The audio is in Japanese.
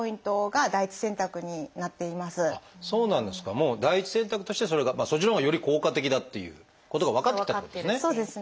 もう第一選択としてそれがそっちのほうがより効果的だっていうことが分かってきたってことですね。